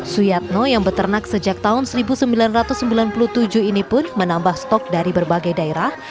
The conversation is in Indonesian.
suyatno yang beternak sejak tahun seribu sembilan ratus sembilan puluh tujuh ini pun menambah stok dari berbagai daerah